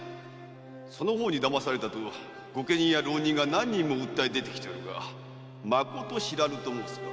〔その方に騙されたと御家人や浪人が何人も訴え出てきておるがまこと知らぬと申すか？